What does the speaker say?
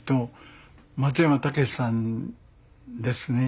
松山猛さんですね。